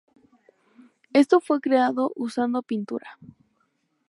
Esto fue creado usando pintura.